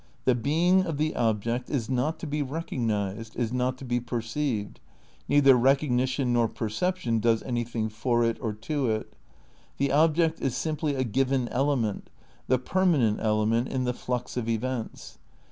The being of the object is not to be recognised, is not to be perceived ; neither recognition nor perception does any thing for it or to it; the object is simply a given ele ment, the permanent element in "the flux of events."